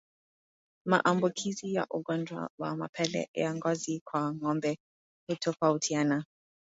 Maambukizi ya ugonjwa wa mapele ya ngozi kwa ngombe hutofautiana